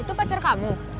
itu pacar kamu